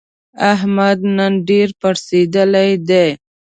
احمد نن ډېر پړسېدلی دی.